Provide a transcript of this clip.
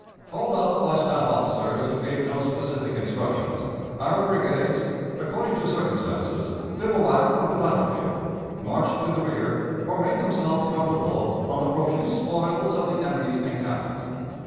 Called off by staff officers, who gave no specific instructions, our brigades, according to circumstances, bivouacked on the battle field, marched to the rear, or made themselves comfortable on the profuse spoils of the enemy's encampments.